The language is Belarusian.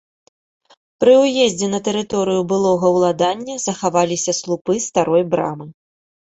Пры ўездзе на тэрыторыю былога ўладання захаваліся слупы старой брамы.